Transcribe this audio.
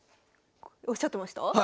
おっしゃってました？